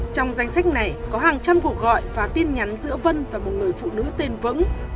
trong danh sách này có hàng trăm cuộc gọi và tin nhắn giữa vân và một người phụ nữ tên vững